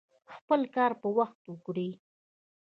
خپل کار په وخت وکړئ